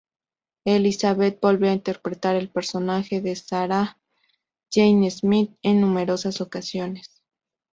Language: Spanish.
Elisabeth volvió a interpretar al personaje de Sarah Jane Smith en numerosas ocasiones.